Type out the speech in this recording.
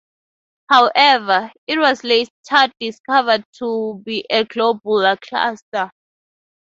However, it was later discovered to be a globular cluster.